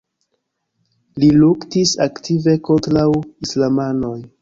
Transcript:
Li luktis aktive kontraŭ islamanoj.